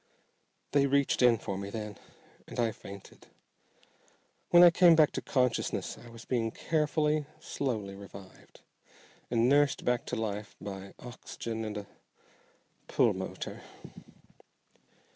"They reached in for me then, and I fainted. When I came back to consciousness I was being carefully, slowly revived, and nursed back to life by oxygen and a pulmotor."